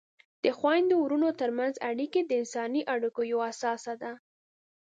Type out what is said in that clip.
د خویندو ورونو ترمنځ اړیکې د انساني اړیکو یوه اساس ده.